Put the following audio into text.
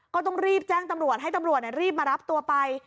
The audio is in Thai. ก็ต้องรีบแจ้งตำรวจให้ตำรวจรีบมารับตัวไป